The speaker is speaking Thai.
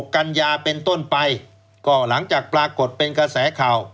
กัญญาเป็นต้นไปก็หลังจากปรากฏเป็นกระแสข่าว